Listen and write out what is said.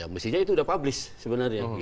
mesinnya itu sudah publis sebenarnya